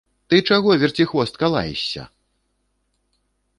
Ты чаго, верціхвостка, лаешся!